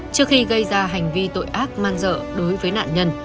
trước khi gây ra hành vi tội ác man dợ đối với nạn nhân